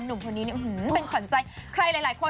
หนุ่มพวกนี้เนี่ยหื้มเป็นขวัญใจใครหลายคน